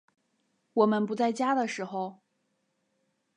我们不在家的时候